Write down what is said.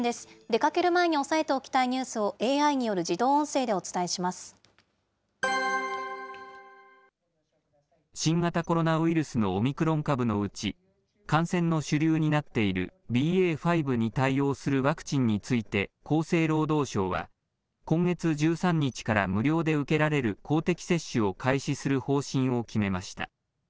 出かける前に押さえておきたいニュースをＡＩによる自動音声でお新型コロナウイルスのオミクロン株のうち、感染の主流になっている、ＢＡ．５に対応するワクチンについて、厚生労働省は、今月１３日から無料で受けられる公的接種を開始する方針を決めました。